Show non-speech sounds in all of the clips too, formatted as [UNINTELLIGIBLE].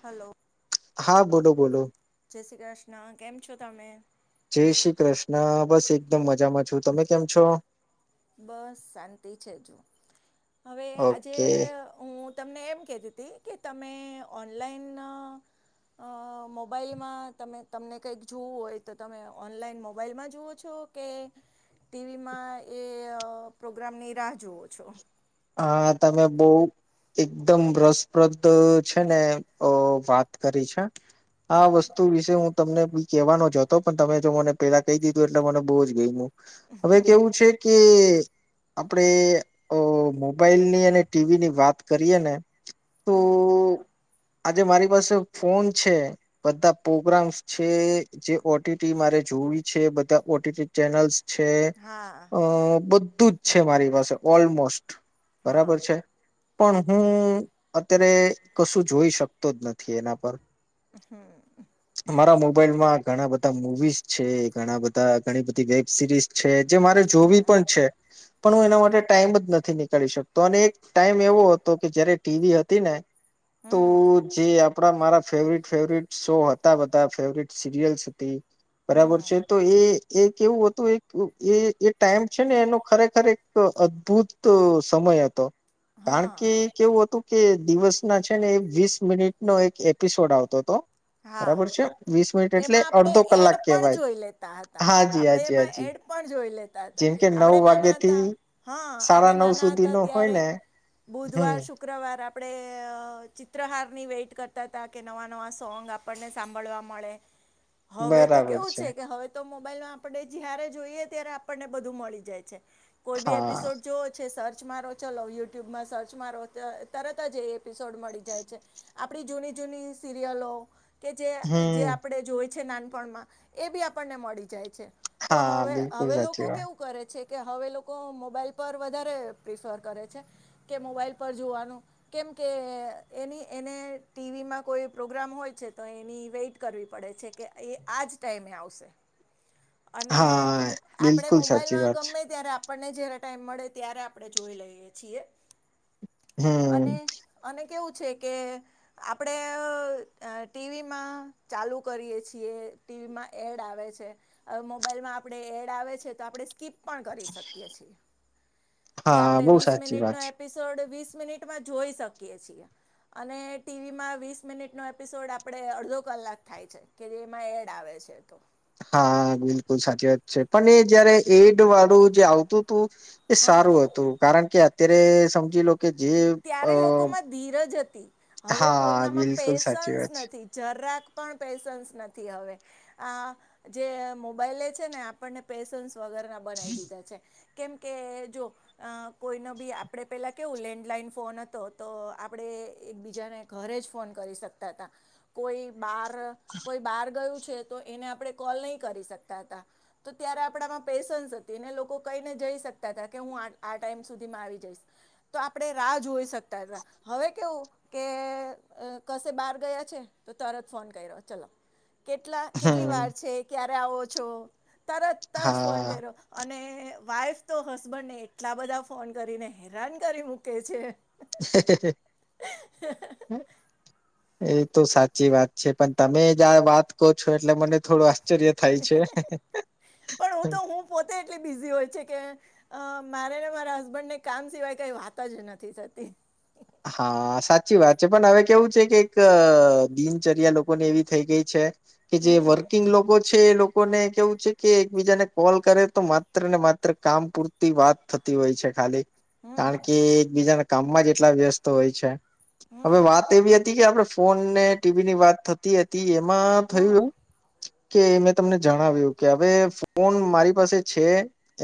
Hello હા બોલો બોલો. જય શ્રી કૃષ્ણ, કેમ છો તમે? જય શ્રી કૃષ્ણ, બસ એકદમ મજામાં છું, તમે કેમ છો? બસ શાંતિ છે જુ હવે આજે ઓકે હું તમને એમ કધી હતી કે તમે ઓનલાઈન અ મોબાઈલમાં તમે તમને કઈક જોવું હોય તો તમે ઓનલાઈન મોબાઈલમાં જુવો છો કે ટીવીમાં એ પ્રોગ્રામની રાહ જોવો છો હા તમે બહુ એકદમ રસપ્રદ છે ને અ વાત કરી છે આ વસ્તુ વિશે હું તમને બી કેવાનો જ હતો પણ તમે જો મને પેલા કહી દીધું એટલે મને બહુ જ ગેમ્યું હવે કેવું છે કે આપડે અ મોબાઈલ ની અને ટીવી ની વાત કરીએ ને તો હમ આજે મારી પાસે ફોન છે બધા પ્રોગ્રામ્સ છે જે ઓટીટી મારે જો જરૂરી છે બધા ઓટીટી ચેનલ્સ છે હા અ બધું જ છે મારી પાસે ઓલમોસ્ટ બરાબર હા છે પણ હું અત્યારે કશું જોઈ શકતો જ નથી એના પર હમ મોબાઈલ માં ઘણા બધા મુવીઝ છે ઘણા બધા ઘણી બધી વેબ સિરીઝ છે જે મારે જોવી હમ પણ છે પણ હું એના હા માટે ટાઈમ જ નથી નીકળ કરી શકતો અને એક ટાઈમ એવો હતો કે જયારે ટીવી હતી ને તો હમ જે આપડા મારા ફેવરિટ ફેવરટ શો હતા બધા ફેવરટ સિરયલ્સ હતી બરાબર હમ છે તો એ એક એવું હતું એક એ એ ટાઈમ છે ને એનો ખરેખર એક અદભુત સમય હતો કારણ હા કે કેવું હતું કે દિવસ ના છે ને એ વીસ મિનિટ નો એક એપિસોડ આવતો હતો હા બરાબર છે વીસ મિનિટ એટલે એમાં આપણે અડધો એડ કલાક પણ કેવાય જોઈ લેતા હતા હા જ આપણે હાજી એમાં હાજી એડ પણ જોઈ લેતા તા જેમ કે નવ આપણે વાગે નાના થી હતા હા સાડા આપણે નવ સુધી નાના નો હોય ત્યારે ને હમ બુધવાર શુક્રવાર આપણે અ ચિત્રહારની વેટ કરતા હતા કે નવા નવા સોંગ આપને સાંભવા મળે હવે તો કેવું છે કે હવે્ મોબાઈલમાં આપણે જયારે જોઈએ ત્યારે આપણને બધું મળી જાય છે કોઈ બી હા એપિસોડ જોવ છે સર સર્ચ મારો ચલો યુટ્યુબમાં સર્ચ મારો તરત જ એ એપિસોડ મળી જાય છે આપણી જૂની જૂની સિરિયલો કે જે જે હમ આપણે જોય છે નાનપણમાં એ બી આપણને મળી જાય છે તો હા હવે બિલકુલ હવે સાચી લોકો વાત કેવું કરે છે કે હવે લોકો મોબાઈલ પર વધારે પ્રિફર કરે છે કે મોબાઈલ પર જોવાનું કેમ કે એની એને ટીવી માં કોઈ પ્રોગ્રામ હોય તો એની વેઈટ કરવી પડે છે કે એ આ જ ટાઈમે આવશે અને હા આપણે બિલકુલ સાચી મોબાઈલમાં વાત છે ગમે ત્યારે આપણને જ્યારે ટાઈમ મળે ત્યારે આપણે જોઈ લઈએ છીએ હમ અને અને કેવું છે કે આપડે અ ટીવીમાં ચાલુ કરીએ છીએ ટીવીમાં એડ આવે છે હવે મોબાઈલમાં આપણે એડ આવે છે તો આપણે સ્કીપ પણ કરી શકી છે કે હા આપણે બહુ વીસ સાચી મિનિટ વાત ન છે એપિસડસ વીસ વિશ મિનિટ માં જોઈ છિ અને ટિવી માં વિશ મિનિટ નો એપિસોડ એપિસોડ આપેણે અડધો કલાક થાય છે કે જે એમાં એડ આવે છે તો હા બિલકુલ સાચી વાત છે પણ એ જયારે એડ વાળું જે આવતું તો એ હા સારું હતું કારણ કે અત્યારે સમજી લો કે જે અ ત્યારે લોકોમાં ધીરજ હતી હવે હા કોઈનામાં બિલકુલ સાચી પેશન્સ વાત છે નથી જરાક પણ પેશન્સ નથી હવે આ જે મોબાઈલે છે ને આપને પેશન્સ વગર ના બનાવી દીધા છે કેમ કે જો અ કોઈને બી આપણે પેલા કેવું લેન્ડલાઈન ફોન હતો તો આપણે એક બીજાને ઘરે જ ફોન કરી શકતા હતા, કોઈ બાર કોઈ બહાર ગયું કો ત આપ પ ક જ શકતા કે હું આ ટાઈમ સુધીમાં આવી જઈશ, તો આપણે રાહ જોઈ શકતા હતા, હવે કેવું કે કશે બહાર ગયા છે તો તરત ફોન કર્યો ચાલો કેટલા કેટલી હમ વાર છે ક્યારે આવો છો, તરત જ ફોન હા કર્યો, અને વાઈફ તો હસબન્ડ ને એટલા બધા ફોન કરીને હેરાન કરી મૂકે છે. હમ [UNINTELLIGIBLE] એ તો સાચી વાત છે પણ તમે જ આ વાત કહો છો એટલે મને થોડું આશ્ચર્ય થાય છે પણ હું તો હું પોતે એટલી બીઝી હોય છે કે અ મારે ને મારા હસબન્ડને કામ સિવાય કઈ વાત જ નથી થતી. હા સાચી વાત છે પણ હવે કેવું છે કે દિનચર્યા લોકોની એવી થઈ ગઈ છે. કે જે હમ વર્કિંગ લોકો એ લોકોને કેવું છે કે એકબીજાને કોલ કરે તો માત્ર ને માત્ર કામ પૂરતી વાત થતી હોય છે ખાલી, હમ કારણ કે એકબીજાના કામમાં જ એટલા વ્યસ્ત હોય છે. હવે હમ વાત એવી હતી કે આપડે ફોન ને ટીવી ની વાત થતી હતી એમાં થયું હા એ કે મેં તમને જણાવ્યું કે હવે ફોન મારી પાસે છે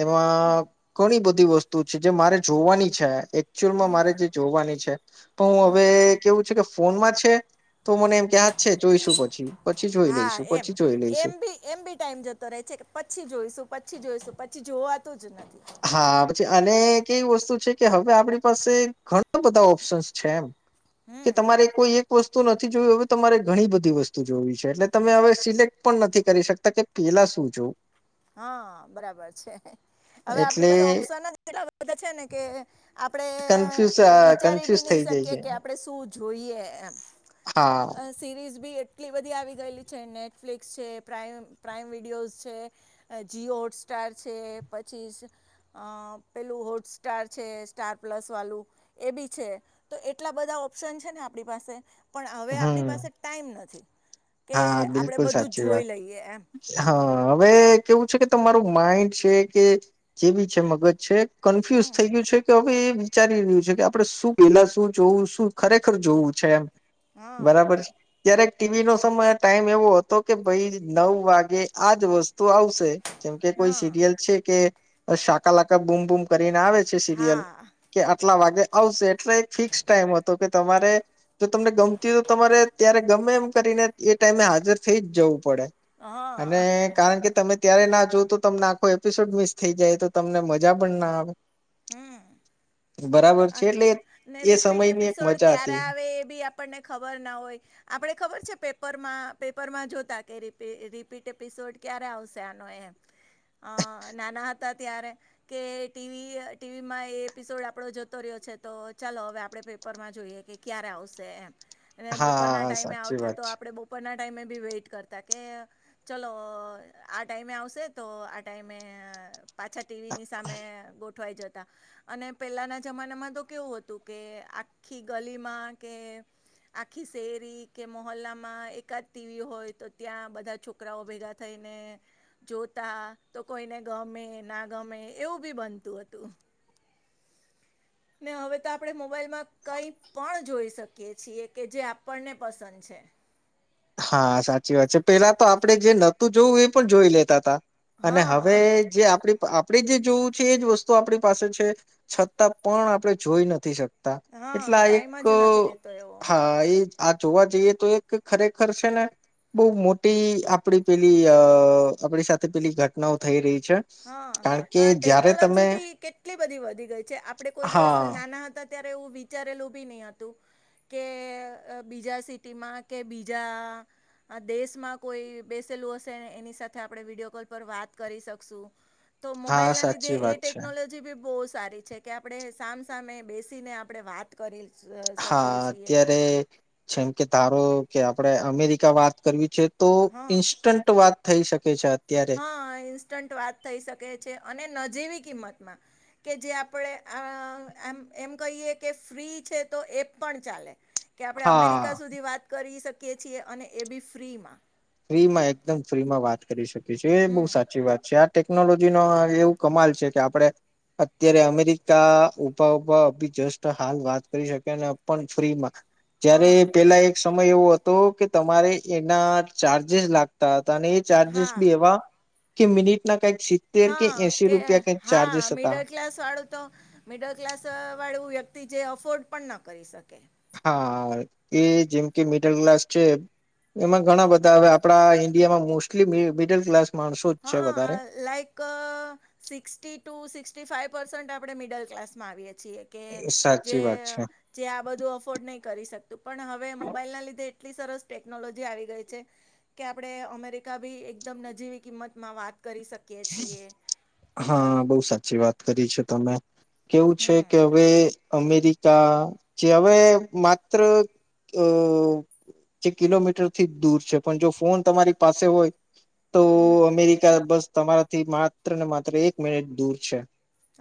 એમાં ઘણી બધી વસ્તુ છે જે મારે જોવાની છે એકચુઅલમાં મારે હમ જે પણ હું હવે હમ કેવું છ કે ફોનમાં છે તો મને એમ ક્યા જ છે જોઈશું પછી પછી જોઈ હા લઈશું એમ પછી જોઈ લઈશું. એમ બી એમ બી ટાઈમ જતો રહે છે પછી જોઈશું પછી જોઈશું પછી જોવાતું જ નઇ. હા પછી અને કેવી વસ્તુ છે કે હવે આપણી પાસે ઘણા બધા ઓપ્શન્સ છે એમ. કે હમ તમારે કોઈ એક વસ્તુ નથી જોવી હવે તમારે ઘણી બધી વસ્તુ જોવી છે એટલે તમે હવે સિલેક્ટ પણ નથી કરી શકતા કે પટલા સૂજો. હા બરાબર છેને. હવે આપણી એટલે પાસે ઓપ્શન જ એલા બધા છે ને કે, આપડે કન્ફ્યુઝ વિચારી કન્ફ્યુઝ બી થઈ જાય કી છે કે આપણે શું જોઈએ, હા સરીઝ બી કેટલી બધી આવી ગયેલી છે નેટફ્લિકસ છે પ્રમ પ્રાઈમ વિડીયોઝ છે. જીઓ હોટસ્ટાર છે પછી, પેલું હોટસ્ટાર છે સ્ટાર પ્ વા એ બી છે, તો એટલા બધા ઓપ્શન છેને આપ પાસે. પણ હવે આપણી હમ પાસે ટાઈમ નથી. કે હા આપણે બિલકુલ બધું જ સાચી જોઈ વાત, લઈએ એમ હા હવે કેવું છે કે તમારું માઈન્ડ છે કે જે બી છે મગજ છે. કન્ફ્યુઝ હમ થઈ ગયું છે કે હવેાઈ વિચારી રહ્યું છે કે આપડે શું પના શું જોવું શું ખરેખર જોવું છે એમ. હા બરાબર છે, ત્યારે ટીવી હમ નો- સમય ટાઈમ એવો હતો કે ભાઈ નવ વાગે- આજ વસ્તુ આવશે, જેમ કે કોઈ સિરિયલ છે કે શાકાલાાકા બૂમ બૂમ કરી આવે છે સિરિયલ, હા કે આટલા વાગે આવશે એટલે એક ફિક્સ ટાઈમ હતો કે તમારે, જો તમને ગમતી હોય તો તમારે ત્યારે ગમે એમ કરીને એ ટાઈમે હાજર થઈ જ જવું પડે, હા અને હા કારણ કે તમે ત્યારે ના જો તો તમને આખો એપિસોડ મિસ થઈ જાય તો તમને મજા પણ ના આવે. હમ. બરાબર છે અને એટલે ને એ રિપીટ સમયની એક એપિસોડ મજા ક્યારે હતી આવે એ બી આપણને ખબર ના હોય, આપડે ખબર છે પે પેપરમાં જોતા કે રિપીટ એપિસોડ ક્યારે આવશે આનો એમ. અ નાના હતા ત્યારે, કે ટીવી ટીવીમાં એ એપિસોડ આપણો જતો રહ્યો છે તો ચાલો હવે આપણે પેપરમાં જોઈએ કે ક્યારે આવશે એમ અને બપોરના હા ટાઈમે સાચી આવતું વાત તો છે આપડે બપરનાજ ટાઈમે બી વેઇટ કરતા કે ચલો આ ટાઈમે આવશે તો આ ટાઈમે પાછા ટીવી ની સામે ગોઠવાઈ જતા અને પેલાના જમાનામાં તો કેવું હતું કે આખી ગલીમાં કે આખી શેરી કે મોોલ્લામાં એકાદ તીવી હોય તો ત્યાં બધા છોકરાઓ ભેગા થાય જોતા તો કોઈને ગમે ના ગમે એવું બી બનતું હતું ને હવે તો આપણે મોબાઈલમાં કઈ પણ જોઈ શકીએ છીએ કે જે આપણને પસંદ છે હ. હા સાચી વાત છે પેલા તો આપડણે જે નોતું જોવું એ પણ જોઈ લેતા તા- અને હવે હા જે આપડી આપણે જે જોવું છે એજ વસ્તુ આપણી પાસે છે છતાં પણ આપણે જોઈ નથી શકતા- હા એટલે આ એક ટાઈમ જ નથી રહેતો એવો હા એ આ જોવા જઈએ તો એક ખરેખ ખર છેને બહ મોટી આપડી પેલી અ આપડી સાથે પેલી ઘટનાઓ થઈ રહી છે. હા કારણ કે જયારે ટેકનોલોજી તમે બી કેટલી બધી વધી ગઈ છે આપડે કોઈ દિવસ હા નાના હતા અત્યારે એ વિચારેલું બી નહ હતું કે બીજા સિટીમાં કે બીજા આ દેશમાં કોઈ બેસેલું હશેને એની સાથે આપણે વિડીિયો કોલ પર વાત કરી શકશું. તો હા મોબાઈલ ના લીધે સાચી એ વાત છે. ટેકનોલોજી બી બો સારી છે કે આપણે સામસામે બેસીને આપણે વાત કરી સ શકીએ હા છીએ અત્યારે જેમ કે તારો કે આપડે અમેરિકા વાત કરવી છે તો હા ઈ હા ઈન્સ્ટન્ટ વાત થઈ શકે છે અને નજીવી કિંમતમાં કે જે આપણે અ આમ એમ કહીએ કે ફ્રી છે તો એપ પણ ચાલે કે આપણે અમેરિકા હા સુધી વાત કરી શકીએ છીએ અને એ બી ફ્રીમાં ફ્રીમાં એકદમ ફ્રીમાં વાત કરી શકે છે એ બહુ હમ સાચી વાત છે આ ટેકનોલોજીનો આવ એવું કમાલ છે કે આપણે અત્યારે અમેરિકા ઉભા ઉભા અભીજસ્ટ હાલ વાત કરી શકે ને પણ ફ્રીમાં જયારેે હા પેલા એક સમય એવો હતો કે તમારે એના ચાર્જેસ લાગતા તાની ચાર્જિસ હા બી એવા કે મિનિટના કઈક સિત્તેર હા એસી કે રૂપિયા કઈક હા ચાર્જેસ હતા મિડલ ક્લાસ વાળું તો મિડલ ક્લાસ વાળું વ્યક તી જે અફોર્ડ પણ ન કરી શકે. હા એ જેમ એમાં ઘણા બધા અવે આપણા ઈન્ડિયામાં મોસ્ટલી મિ મિડલ ક્લાસ માણસો જ છે વધારે હા like sixty two sixty five percent આપણે મિડલ કલાસમાં આવીએ છીએ કે જે સાચી વાત છે જે આ બધું અફોર્ડ નય કરી શક તુ પણ હવે મોબાઈલના લીધે એટલી સરસ ટેકનોલોજી આવી ગઈ છે કે આપણે અમેરિકા ભી એકદ હા બોવ સાચી વાત કરી છે તમે કેવું છે હમ કે હવે અમેરિકા કે હવે માત્ર અ જે કિલોમીટરથી જ દૂર છે પણ જો ફોન તમારી પાસે હોય તો હમ અમેરિકા બસ તમારાથી માત્ર ને માત્ર એક મિનિટ દૂર છ.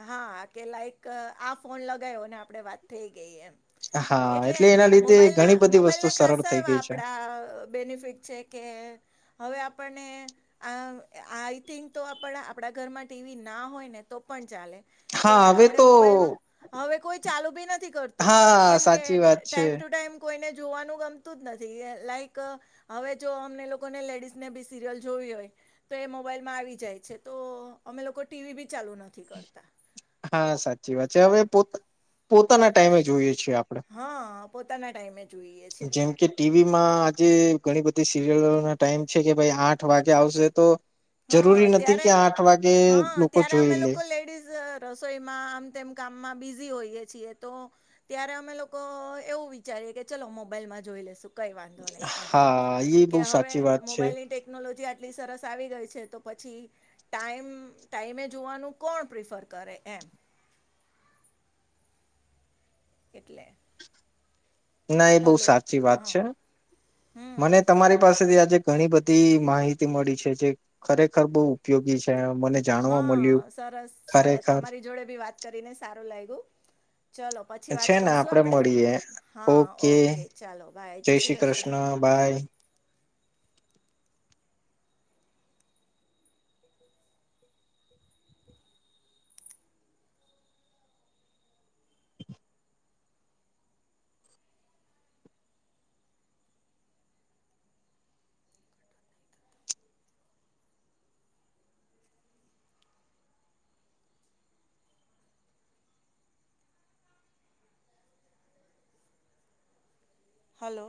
હા કે લાઈક આ ફોન લગાયવો અને આપડે વાત થઈ ગઈ એમ હા એટલે એના લીધે ઘણી મોબાઈલના બધી વસ્તુ મોબાઈલના સરળ ખસાસા થઈ એવા ગઈ છે આપડા બેનિફિટ છે કે હવે આપ આપણને આ આઈથિક તો આપણા આપણા ઘરમાં ટીવી ના હોય ને તો પન ચાલે કે હા હવે આપણે તો મોબાઈલમાં હવે કોઈ ચાલુ બી નથી કરતું હા કેમ કે સાચી વાત છે ટાઈમ ટુ ટાઈમ કોઈને જોવાનું ગમતું જ નથી, લાઈક હવે જો અમને લોકોને લેડીઝને બી સિરિયલ જોવી હોય તો એ મોબાઈલમાં આવી જાય છે, તો અમે લોકો ટીવી બી ચાલુ ન હા, સાચી વાત છે હવે પોતા પોતાના ટાઈમે જોઈએ. છે, આપણે હા પોતાના ટાઈમે જ જેમ કે ટીવીમાં આજે ઘણી બધી સીરિયલોના ટાઈમ છે, કે ભાઈ આઠ વાગે આવશે તો હા જરૂરી નથી, ત્યારે કે આઠ વાગે હા લોકો ત્યારે જોઈ અમે લે લોકો લેડીઝ રસોઈમાં આમ તેમ કામમાં બિઝી હોઈએ છીએ, તો ત્યારે અમે લોકો એવું વિચાર કે ચલો મોબાઈલમાં જોઈ લેશું. કઈ વાંધો નહી, એમ હા એ બહુ કે હવે સાચી વાત છે મોબાઈલની ટેકનોલોજી આટલી સરસ આવી ગઈ છે. છે તો પછી ટાઈમ ટાઈમે જોવાનું કોણ પ્રિફર કરે એમ [INAUDIBLE] એટલે ના એ બોવ હલો સાચી વાત હા છે, હમ મને તમારી પાસેથી આજ સુધી ઘણી બધી માહિતી મળી છે જે ખરેખર બહુ ઉપયોગી છે. મને જાણવા મળ્યું હા, સરસ ખરેખર તમારી જોડે ભી વાત કરીને સારું લાગ્યું ચલો પછી વાત છે, ને કરશું આપડે આપણે મળીએે ઓકે જય શ્રી કૃષ્ણ બાય. [UNINTELLIGIBLE] હલો